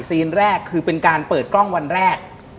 แรกคือเป็นการเปิดกล้องวันแรก